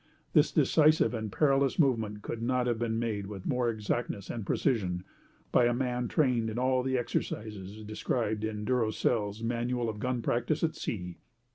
This decisive and perilous movement could not have been made with more exactness and precision by a man trained in all the exercises described in Durosel's "Manual of Gun Practice at Sea."